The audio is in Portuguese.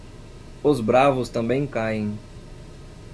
Os bravos também caem.